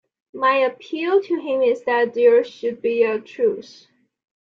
My appeal to him is that there should be a truce.